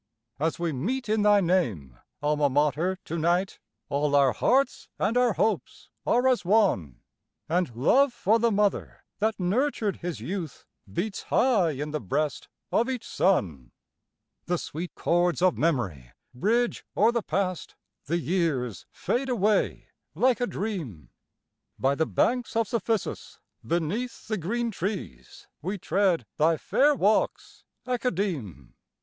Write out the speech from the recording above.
As we meet in thy name, Alma Mater, to night, All our hearts and our hopes are as one, And love for the mother that nurtured his youth Beats high in the breast of each son. The sweet chords of Memory bridge o'er the Past, The years fade away like a dream, By the banks of Cephissus, beneath the green trees, We tread thy fair walks, Academe.